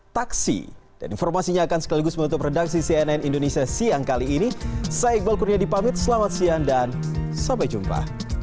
taksi dan informasinya akan sekaligus menutup redaksi cnn indonesia siang kali ini saya iqbal kurnia dipamit selamat siang dan sampai jumpa